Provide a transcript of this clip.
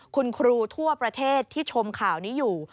คุณครูทั่วประเทศที่ชมข่าวนี้อยู่